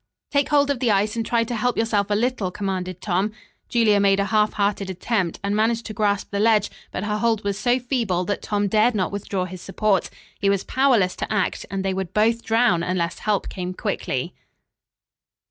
"Take hold of the ice and try to help yourself a little," commanded Tom. Julia made a half hearted attempt, and managed to grasp the ledge, but her hold was so feeble that Tom dared not withdraw his support He was powerless to act, and they would both drown unless help came quickly.